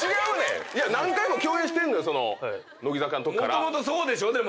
もともとそうでしょ？でも。